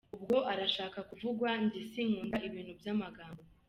Ubwo arashaka kuvugwa, njye sinkunda ibintu by’amagambo.